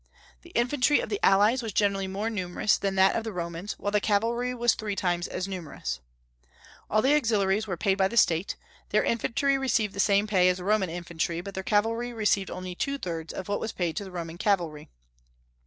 The infantry of the allies was generally more numerous than that of the Romans, while the cavalry was three times as numerous. All the auxiliaries were paid by the State; their infantry received the same pay as the Roman infantry, but their cavalry received only two thirds of what was paid to the Roman cavalry.